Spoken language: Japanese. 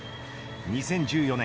２０１４年